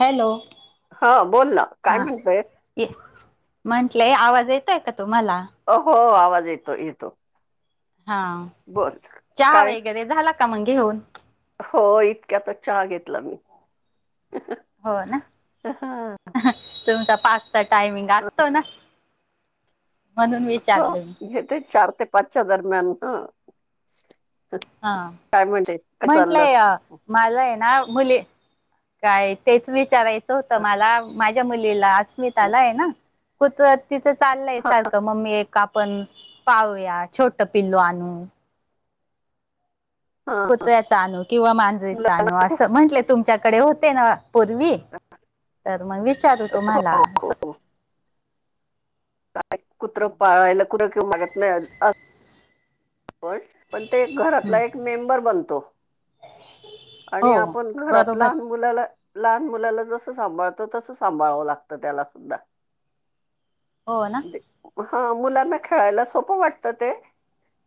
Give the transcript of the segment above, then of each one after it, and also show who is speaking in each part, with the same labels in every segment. Speaker 1: Hello
Speaker 2: हा बोल ना काय
Speaker 1: हां
Speaker 2: म्हणतोय
Speaker 1: ये म्हंटलंय आवाज येतय का तुम्हाला
Speaker 2: अ हो आवाज येतोय येतो
Speaker 1: हा
Speaker 2: बोल
Speaker 1: चहा
Speaker 2: काय
Speaker 1: वगैरे झाला का मग घेऊन
Speaker 2: हो इतक्याचाच चहा घेतला मी
Speaker 1: हो ना
Speaker 2: ह
Speaker 1: तुमचा पाच [unintelligible] टायमिंग असतो ना म्हणून
Speaker 2: हो
Speaker 1: विचारलं मी
Speaker 2: गेतोय चार ते पाचच्या दरम्यान ह
Speaker 1: हा
Speaker 2: काय म्हणते काय चालं
Speaker 1: माझा आहे ना मुले काय तेच विचारायचं होतं मला माझ्या मुलीला अस स्मिताला आहे ना कु तिचं चाललय सारखं मग मी [unintelligible] पण पाहूया छोट पिल्लू आणून
Speaker 2: हा
Speaker 1: कुत्र्याचा आणनू किंवा
Speaker 2: मुलं-
Speaker 1: मांजरीचा आणू असं म्हंटले तुमच्याकडे होते ना पूर्वी तर मग विचारू तुम्हाला अस
Speaker 2: काय कुत्रं
Speaker 1: हम्म.
Speaker 2: पाळायला कुत्र [unintelligible] कि मागत नाही पण पण ते घरातला एक मेंबर बनतो आणि
Speaker 1: हो
Speaker 2: आपण घरात
Speaker 1: बरोबर
Speaker 2: लहान मुलाला लहान मुलाला जसं सांभाळतं तसं सांभाळवं लागतं त्याला सुद्धा
Speaker 1: हो ना
Speaker 2: हो मुलांना खेळायला सोपं वाटतं ते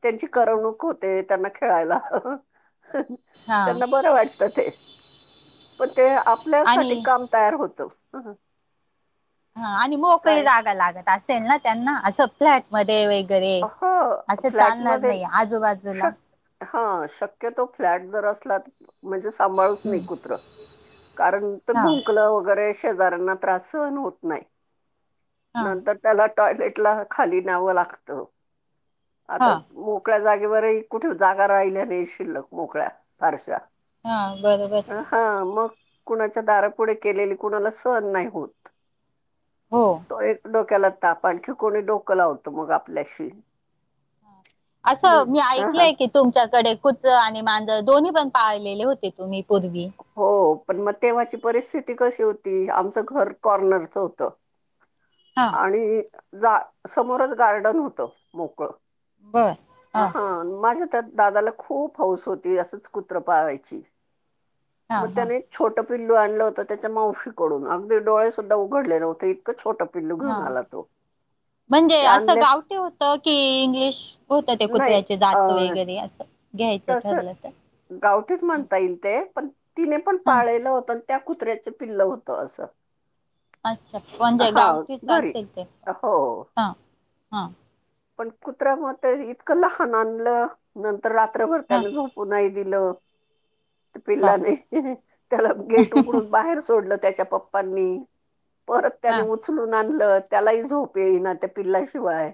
Speaker 2: त्यांची करवणूक होते त्यांना खेळायला
Speaker 1: हा
Speaker 2: त्यांना बर वाटत ते पण ते
Speaker 1: आणि
Speaker 2: आपल्यासाठी काम तयार होतो.
Speaker 1: हा आणि मोकळही जागा लागत असेल ना त्यांना असं. फ्लॅट मध्ये वगैरे
Speaker 2: हो
Speaker 1: असं चालणार
Speaker 2: फ्लॅटमध्ये
Speaker 1: नाही आजूबाजूला
Speaker 2: शक हा शक्यतो फ्लॅट जर असलात म्हणजे सांभाळूच नाही
Speaker 1: हम्म.
Speaker 2: कुत्र कारण ते
Speaker 1: हा
Speaker 2: भुंकलं वगैरे शेजऱ्यांना त्रास सहन होत नाही
Speaker 1: हा
Speaker 2: नंतर त्याला टॉयलेटला खाली न्यावं लाग त
Speaker 1: हा
Speaker 2: आता मोकळ्या जागेवरही कुठे जागा राहिल्या नाही शिल्लक मोकळ्या फारश्या
Speaker 1: हा बरोबर.
Speaker 2: हा मग कुणाच्या दारापुढे केलेली कुणाला सहण नाही होत
Speaker 1: हो.
Speaker 2: तो एक डोक्याला ताप आणखी कोणी डोक लावत मग आपल्याशी
Speaker 1: असं
Speaker 2: मग
Speaker 1: मी
Speaker 2: हा
Speaker 1: ऐकलंय की? तुमच्याकडे कुत्र आणि मांजळ दोन्ही पण पाळलेले होते तुम्ही पूर्वी.
Speaker 2: हो पण मग तेव्हाची परिस्थिती कशी होती आमचं घर कॉर्नरचं होत.
Speaker 1: हा
Speaker 2: आणि जा समोरच गार्डन होत मोकळं हा माझ्या त्या दादाला खूप हौस होती असच कुत्र पाळायची
Speaker 1: हा
Speaker 2: मग
Speaker 1: हा
Speaker 2: त्याने छोटं पिल्लू आणलं होतं त्याच्या मावशीकडून अगदी डोळे सुद्धा उघडले नव्हते इतकं छोट
Speaker 1: हा म्हणजे
Speaker 2: ते
Speaker 1: असं
Speaker 2: आणले
Speaker 1: गावटी होत. की इंग्लिश होतं ते
Speaker 2: नाही
Speaker 1: कुत्र्याचे
Speaker 2: अ
Speaker 1: जात वगैरे असं घ्यायचं
Speaker 2: तसं
Speaker 1: ठरलं तर.
Speaker 2: गावठीच म्हणता येईल ते पण तिने पण
Speaker 1: हा
Speaker 2: पाळलं होत. त्या कुत्र्याच पिल्ल होतं असं.
Speaker 1: अच्छा म्हणजे
Speaker 2: हा
Speaker 1: गावठीच
Speaker 2: घरी
Speaker 1: असेल ते पण
Speaker 2: हो
Speaker 1: हा हा.
Speaker 2: पण कुत्र्या म ते इतकं लहान आणलं नंतर रात्रभर
Speaker 1: हा
Speaker 2: त्याने झोप पु नाही दिल ते पिल्लाने
Speaker 1: बापरे
Speaker 2: त्याला गेट उघडून बाहेर सोडलं त्याच्या पप्पांनी परत
Speaker 1: हा
Speaker 2: त्याने उचलून आणलं त्यालाही झोप येई ना त्या पिल्ल्याशिवाय.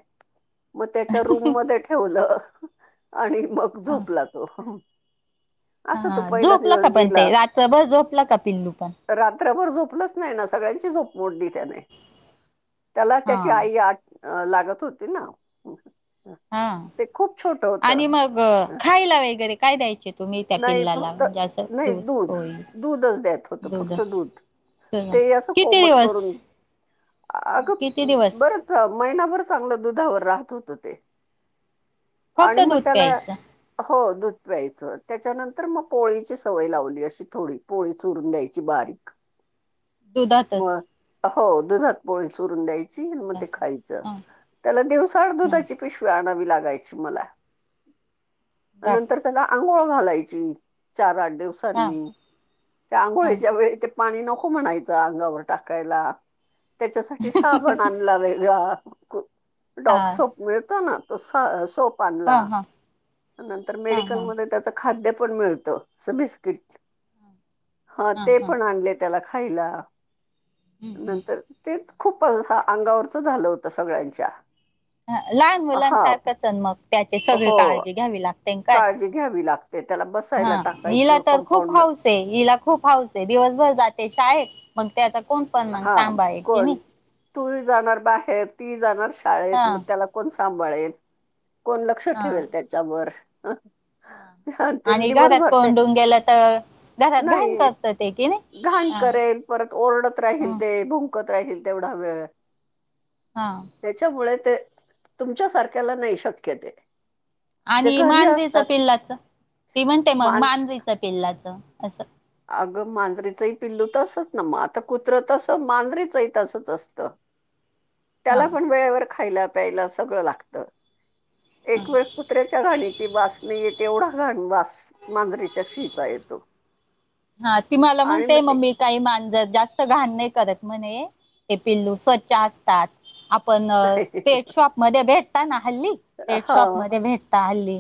Speaker 2: मग त्याच्या रूम मध्ये ठेवलं आणि मग
Speaker 1: हा
Speaker 2: झोपला तो असा
Speaker 1: हा
Speaker 2: तो पहिला
Speaker 1: झोपलं
Speaker 2: दिवस
Speaker 1: का पण
Speaker 2: गेला
Speaker 1: ते रात्रभर झोपलं का पिल्लू पण?
Speaker 2: रात्रभर झोपलंच नाही ना सगळ्यांची झोप मोडली त्याने त्याला
Speaker 1: हा
Speaker 2: त्याची आई आ अ लागत होती ना.
Speaker 1: हा
Speaker 2: ते खूप छोटं
Speaker 1: आणि
Speaker 2: होतं.
Speaker 1: मग खायला वगैरे काय द्यायचे? तुम्ही त्या
Speaker 2: नाही
Speaker 1: पिल्लाला
Speaker 2: फक्त
Speaker 1: म्हणजे असं
Speaker 2: नाही दूध,
Speaker 1: होई
Speaker 2: दूधच द्याेत होत फक्त
Speaker 1: दूधच
Speaker 2: दूध
Speaker 1: सर्व
Speaker 2: ते असं
Speaker 1: किती
Speaker 2: कोमट
Speaker 1: दिवस
Speaker 2: करून
Speaker 1: किती
Speaker 2: अगं
Speaker 1: दिवस
Speaker 2: बर महिनाभर चांगलं दुधावर राहत होत ते
Speaker 1: फक्त
Speaker 2: आणि मग
Speaker 1: दूध
Speaker 2: त्याला
Speaker 1: प्यायचं
Speaker 2: हो दूध प्यायचं त्याच्यानंतर मग पोळीची सवय लावली अशी थोडी पोळी चुरून द्यायची बारीक
Speaker 1: ह [inaudible]
Speaker 2: मग हो दुधात पोळी चुरून द्यायची मग
Speaker 1: हां
Speaker 2: ते खायचं. त्याला दिवसा आळ
Speaker 1: हां
Speaker 2: दुधाची पिशवी आणावी लागायची मला
Speaker 1: बापरे
Speaker 2: नंतर त्याला आंघोळ घालायची चार आठ
Speaker 1: हां
Speaker 2: दिवसांनी त्या
Speaker 1: हां
Speaker 2: आंघोळच्या वेळी ते पाणी नको म्हणायच अंगावर टाकायला त्याच्यासाठी साबण लावायचा डॉक
Speaker 1: हां
Speaker 2: सोप मिळत ना त सोप
Speaker 1: हां हां
Speaker 2: आणला
Speaker 1: हां हां
Speaker 2: मेडिकल त्याच खाद्य पण मिळत अस बिस्किट ह
Speaker 1: हां
Speaker 2: ते
Speaker 1: हां
Speaker 2: पण आणले. त्याला खायला
Speaker 1: हं हं
Speaker 2: नंतर तेच खूप अंगावरच झालं होतं सगळ्यांच्या.
Speaker 1: लहान
Speaker 2: हा
Speaker 1: मुलांसारखं चण मग त्याची सगळी
Speaker 2: हो
Speaker 1: काळजी घ्यावी लागते का
Speaker 2: काळजी घ्यावी लागते. त्याला
Speaker 1: हा
Speaker 2: बसायला
Speaker 1: हिला
Speaker 2: टाकायचं
Speaker 1: तर खूप
Speaker 2: कंपाऊंड मध्ये.
Speaker 1: हाऊस. हिला खूप हाऊस आहे, दिवसभर जाते शाळेत मग त्याचा कोण पण मग,
Speaker 2: हा
Speaker 1: सांभाळ आहे की
Speaker 2: कोण
Speaker 1: नाही.
Speaker 2: तू जाणार बाहेर ती जाणार
Speaker 1: हा
Speaker 2: शाळेत मग, त्याला कोण सांभाळेल. कोण लक्ष
Speaker 1: हा
Speaker 2: ठेवेल त्याच्यावर?
Speaker 1: हा
Speaker 2: ते
Speaker 1: आणि घरात
Speaker 2: दिवसभर ते
Speaker 1: कोंडून गेलं तर, घरात घाण
Speaker 2: नाही
Speaker 1: करत ते कि नाही.
Speaker 2: घाण करेल परत ओरडत राहील,
Speaker 1: हा
Speaker 2: ते भुंकत राहील तेवढा वेळ.
Speaker 1: हा.
Speaker 2: त्याच्यामुळे ते तुमच्या सारख्याला नाही शक्य ते. जे
Speaker 1: आणि
Speaker 2: घरी
Speaker 1: मांजरीचं
Speaker 2: असतात
Speaker 1: पिल्लाच ते म्हणते मग
Speaker 2: मां
Speaker 1: मांजरीच पिल्लाचं असं.
Speaker 2: अगं मांजरीचही पिल्लू तसच ना, मग आता कुत्र तस मांजरीचही तसच असत.
Speaker 1: [inaudible]
Speaker 2: त्याला पण वेळेवर खायला प्यायला सगळं लागतं. एक वेळ कुत्र्याच्या घाणीची वास नाही येत तेवढा घाणवास मांजरेच्या शी चा येतो.
Speaker 1: हा, ती मला
Speaker 2: आणि
Speaker 1: म्हणते
Speaker 2: मग ते
Speaker 1: मम्मी काही मांजर जास्त घाण नाही करत, म्हणे ते पिल्लू स्वच्छ असतात. आपण पेट शॉप मध्ये भेटता ना, हल्ली. पेट शॉप
Speaker 2: हा
Speaker 1: मध्ये भेटता हल्ली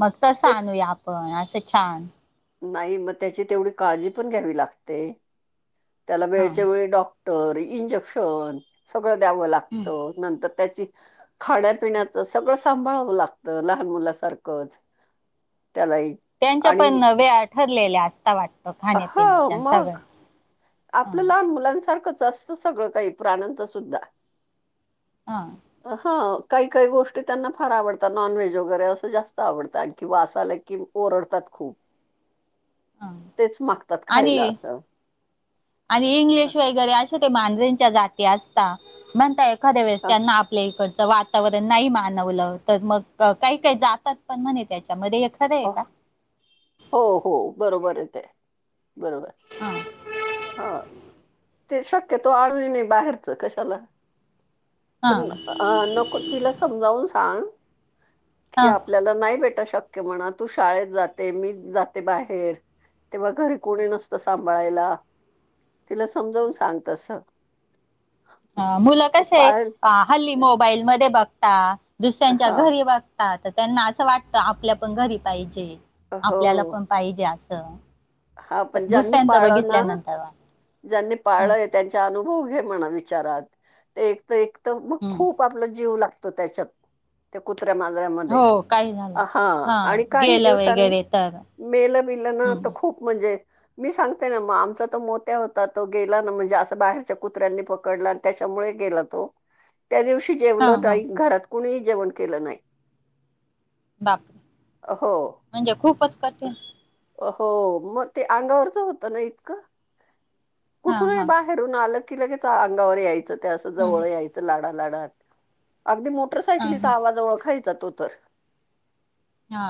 Speaker 1: मग, तसं
Speaker 2: तेच
Speaker 1: आणूया आपण असं छान.
Speaker 2: नाही, मग त्याची तेवढी काळजी पण घ्यावी लागते त्याला
Speaker 1: हा
Speaker 2: वेळच्या वेळी डॉ इंजेक्शन सगळं द्यावं लागत नंतर त्याची खाण्या पिण्याचं सगळं सांभाळावं लागतं लहान मुला सारखंच. त्याला
Speaker 1: त्यांच्या पण वेळा ठरलेल्या असता वाटत.
Speaker 2: ह मग आपलं
Speaker 1: ह
Speaker 2: लहान मुलांसारखंच असत. अस सगळं काही प्राण्यांच सुध्दा.
Speaker 1: हा.
Speaker 2: हा काही काही गोष्टी त्यांना फार आवडतात, नॉनव्हेज वगैरे असं जास्त आवडतं आगदी वास आला की ओरडतात खूप.
Speaker 1: ह
Speaker 2: तेच मागतात खायला
Speaker 1: आणि
Speaker 2: असं.
Speaker 1: आणि इंग्लिश वगैरे, अशे ते मांजरीच्या जाती असता म्हणता एखाद्या वेळेस
Speaker 2: अ,
Speaker 1: त्यांना आपल्या इकडचं वात वातावरण नाही मानवलं तर, मग काही काही जातात पण म्हणे त्याच्यामध्ये खरं आहे का
Speaker 2: हो, हो बरोबर आहे ते, बरोबर.
Speaker 1: हां.
Speaker 2: हा. ते शक्यतो आळवि नाही बाहेरच कशाला,
Speaker 1: हा
Speaker 2: पण. अ नको तिला समजावून सांग की
Speaker 1: हा
Speaker 2: आप आपल्याला नाही भेटा शक्य म्हणा, तू शाळेत जाते मी जाते बाहेर. तेव्हा घरी कोणी नसत सांभाळायला तिला. समजावून सांग तसं.
Speaker 1: अ मुलं कस आहे
Speaker 2: पाळेल
Speaker 1: अ हल्ली मोबाईल मध्ये बघता, दुसऱ्यांच्या
Speaker 2: हा
Speaker 1: घरी बघ त्यांना असं वाटत आपल्या पण घरी पाहिजे,
Speaker 2: हो
Speaker 1: आपल्याला पण पाहिजे असं,
Speaker 2: हा पण ज्यांनी
Speaker 1: दुसऱ्यांचं
Speaker 2: पाळलं ना
Speaker 1: बघितल्यानंतर.
Speaker 2: ज्यांनी
Speaker 1: हं,
Speaker 2: पाळलंय त्यांचा अनुभव घे म्हणा विचारात, ते एक तर एक तर मग खूप
Speaker 1: हं.
Speaker 2: खूप आपला जीव लागतो त्याच्यात. त्या कुत्र्या मजरामध्ये
Speaker 1: हो काही झालं
Speaker 2: हा आणि काही
Speaker 1: गेलं
Speaker 2: दिवसांनी.
Speaker 1: वगैरे तर
Speaker 2: मेल बिल ना
Speaker 1: हं,
Speaker 2: तर खूप म्हणजे. मी सांगते ना मग, आमचा तो मोत्या होता, तो गेला ना म्हणजे असं बाहेरच्या कुत्र्यांनी पकडला. त्याच्यामुळे गेला तो.
Speaker 1: ह [unintelligible]
Speaker 2: त्या दिवशी जेवण नाहीई घरात कुणीही जेवण केलं नाही.
Speaker 1: बापरे
Speaker 2: अ अो.
Speaker 1: म्हणजे खूपच कठीण
Speaker 2: मग ते अंगावरच होत ना इतकं
Speaker 1: हा
Speaker 2: कुठून
Speaker 1: हा
Speaker 2: बाहेर. हरून आलं की लगेच अंगावर यायचं त्या असं
Speaker 1: हम्म
Speaker 2: जवळ यायचं लाडा लाडात. अगदी
Speaker 1: हा
Speaker 2: मोटरसायकलीचा
Speaker 1: हा
Speaker 2: आवाज ओळखायचा तो तर.
Speaker 1: हा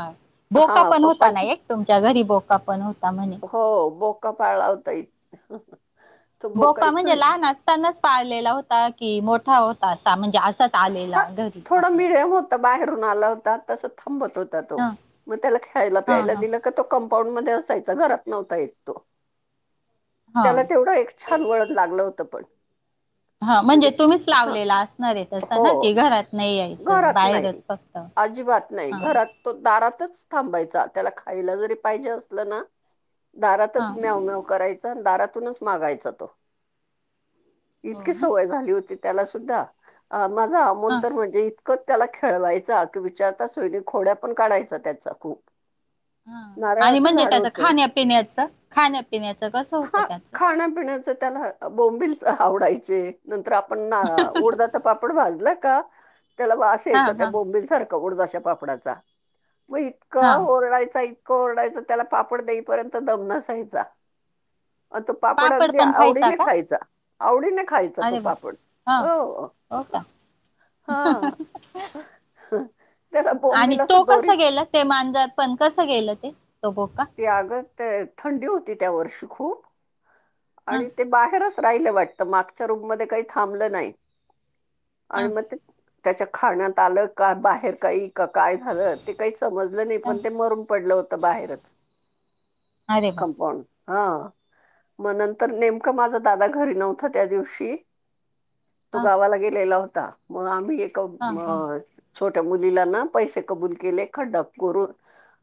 Speaker 2: हा
Speaker 1: बोका पण होता ना
Speaker 2: पप्पांची
Speaker 1: एक तुमच्या घरी बोका पण होता म्हणे.
Speaker 2: हो बोका पालावता इ.
Speaker 1: बोका म्हणजे लहान असतानाच पाळलेला होता की मोठा होता असा म्हणजे असा.
Speaker 2: थोडं मिडियम होत बाहेरून आला होता तसं थांबत होत.
Speaker 1: ह
Speaker 2: मग त्याला ख्यायला
Speaker 1: हा
Speaker 2: प्यायला
Speaker 1: हा
Speaker 2: दि. क म असय घात न्ह य
Speaker 1: हा
Speaker 2: त्याव. छान वळत लागलं होतं पण.
Speaker 1: हा म्हणजे तुम्हीच लावलेला. नाही रे तसं
Speaker 2: हो
Speaker 1: ना कि घरात नाही यायचं
Speaker 2: घरात
Speaker 1: बाहेरच
Speaker 2: नाही
Speaker 1: फक्त
Speaker 2: अजिबात नाही
Speaker 1: हा.
Speaker 2: घरात तो दारातच थांबायचा त्याला खायला जरी पाहिजे असलं ना.
Speaker 1: हा
Speaker 2: दारातच म्यावमेव करायचा आणि दारातूनच मागायचा तो.
Speaker 1: हो
Speaker 2: इतकी
Speaker 1: ना
Speaker 2: सवय झाली होती त्याला सुद्धा माझा अमोल
Speaker 1: हा
Speaker 2: तर म्हणजे इ. क त्याला खेळवायचा की विचारता सोईन खोड्या पण काढायचा त्याचा खूप.
Speaker 1: हा आणि
Speaker 2: नारळाचं
Speaker 1: म्हणजे
Speaker 2: झाड
Speaker 1: त्याच
Speaker 2: होतं.
Speaker 1: खाण्यापिण्याच खाण्यापिण्याचं कस होतं त्याच.
Speaker 2: खाण्यापिण्याच त्याला बोंबिलच आवडायचे नंतर आपणर उडदाचं. वाजलं का त्याला वास
Speaker 1: हा
Speaker 2: यायच त्या
Speaker 1: हा
Speaker 2: बोंबल सारख उडाशा पापडाचा. का
Speaker 1: हा
Speaker 2: ओरडायचा इतकं ओरडायच त्याला पापड देईपर्यंत दम नसाायचा. अ तो.
Speaker 1: पापड पण खायचा का अरे वा हा हो का हंहंह.
Speaker 2: हा.
Speaker 1: आणि तो कस गेलं ते माांजर पण कसं गेलं ते तो बो का.
Speaker 2: ती आगत थंडी होती त्या वर्षी खूप.
Speaker 1: हा
Speaker 2: आणि ते बाहेरच राहिलं वाटतं मागच्या रूममध्येध्ये काही थांबलं नाही.
Speaker 1: हा
Speaker 2: आणि मग त्याच्या खाण्यात आलं का बाहेर काही. का काय झालं ते काही समजलं नाही
Speaker 1: हा
Speaker 2: पण ते मरून पडलं होत बाहेरच.
Speaker 1: अरे वा
Speaker 2: कमपंड हा. मं नंतर नेमकं माझा दादा घरी नव्हता त्या दिवशी. तो
Speaker 1: हा
Speaker 2: गावाला गेलेला होता मग आम्ही एक अ.
Speaker 1: हा हा
Speaker 2: छोट्या मुलीला ना पैसे कबूल केले खड्डप करून.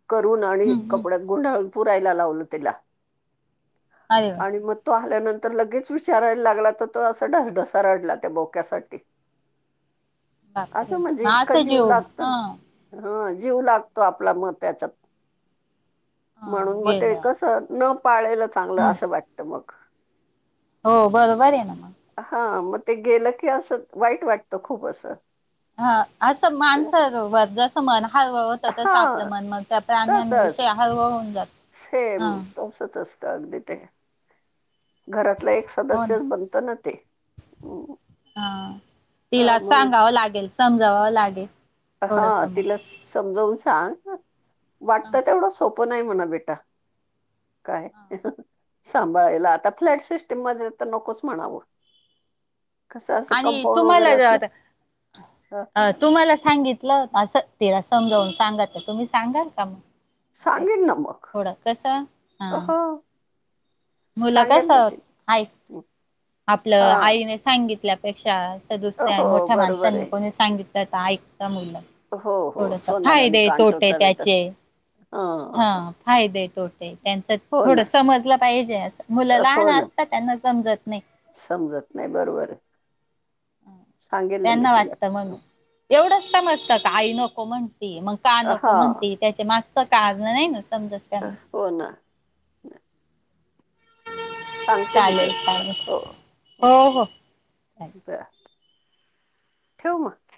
Speaker 2: करून आणि
Speaker 1: हम्म हम्म
Speaker 2: कपड्यात गुंडाळून पुरायला लावलं त्याला.
Speaker 1: अ.
Speaker 2: आणि मग तो आल्यानंतर लगेच विचारयला लागला तर तो असं डसढसा रडला त्या बोक्यासाठीठी.
Speaker 1: बापरे मा अस
Speaker 2: इतका जीव
Speaker 1: जेव
Speaker 2: लागतो ना.
Speaker 1: हा.
Speaker 2: हा जीव लागतो आपला म त्याच्यात
Speaker 1: हा
Speaker 2: म्हणून मग ते
Speaker 1: गेलं
Speaker 2: कसं न पाळेलं चांगलं
Speaker 1: हम्म
Speaker 2: असं वाटत मग.
Speaker 1: हो बरं बर आहे ना मग.
Speaker 2: हा मग ते गेलं की असं वाईट वाटतं खूप असं.
Speaker 1: हा असं
Speaker 2: ते-
Speaker 1: माणसारोबर जसं मन हळव. तस आपलं
Speaker 2: हा
Speaker 1: मन मग त्या
Speaker 2: तसच
Speaker 1: प्राण्यांविषय हळव होऊन जात.
Speaker 2: सेम
Speaker 1: हा
Speaker 2: तसच असत अगदी ते घरातलं एक.
Speaker 1: हो ना
Speaker 2: सदस्यच बनत ना ते हा म्हणून.
Speaker 1: हो लागेल. समजावावं लागेल.
Speaker 2: हा
Speaker 1: थोडस मग
Speaker 2: तिला. समजाऊन सांग
Speaker 1: हां,
Speaker 2: वाटत तेवढं सोप. प नाही म्हणा बेटा काय.
Speaker 1: हां.
Speaker 2: सांभाळायला आता फ्लॅट सिस्टीम मध्ये तर नकोच म्हणावं. कसं असं
Speaker 1: आणि
Speaker 2: कंपाउंड वगैरे
Speaker 1: तुम्हाला ज
Speaker 2: असलं ह.
Speaker 1: अ तुम्हाला सांगितलं स्यला समजावून सांगा तुम्ही सांगाल का मग
Speaker 2: सांगेन ना मग
Speaker 1: थोडा कसा हा.
Speaker 2: हो
Speaker 1: मुलं कस
Speaker 2: सांगेन ना ती
Speaker 1: ऐक
Speaker 2: हा
Speaker 1: आपलं आईने सांगितल्यापेक्षा दुसऱ्या
Speaker 2: हो
Speaker 1: मोठ्या
Speaker 2: बरोबर
Speaker 1: माणसांनी
Speaker 2: आहे.
Speaker 1: कोणी सांगितलं तर ऐकत मुलं.
Speaker 2: हो हो
Speaker 1: थोडस
Speaker 2: सोनार आणि
Speaker 1: फायदे तोटे
Speaker 2: कांटोचा वेतच
Speaker 1: त्याचे
Speaker 2: ह
Speaker 1: हा. फायदे तोटे त्यांच
Speaker 2: हो ना
Speaker 1: थोडं समजलं पाहिजे. मुलं लहान
Speaker 2: हो ना
Speaker 1: असत त्यांना समजत नाही.
Speaker 2: समजत सांगेललं मी तिला
Speaker 1: वाटत मण एवढंच समजत का आई नको म्हणती मग का नको
Speaker 2: हा
Speaker 1: म्हणते त्याचे मागच कालं नाही ना समजत त्याना
Speaker 2: हो ना. सांगते मी
Speaker 1: चालेल
Speaker 2: तरस
Speaker 1: चालेल
Speaker 2: हो हो.
Speaker 1: चालेल
Speaker 2: द ठेऊ म